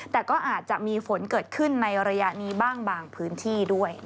แต่ก็อาจจะมีฝนเกิดขึ้นในระยะนี้บ้างบางพื้นที่ด้วย